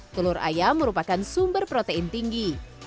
telur ayam merupakan sumber protein tinggi